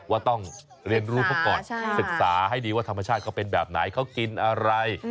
ว่าต้องเรียนรู้เขาก่อนศึกษาให้ดีว่าธรรมชาติเขาเป็นแบบไหนเขากินอะไร